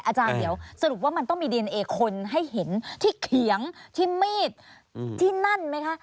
อาจารย์เดี๋ยวสรุปว่ามันต้องมีดีเอนเอคนให้เห็นที่เขียงที่มีดที่นั่นไหมคะ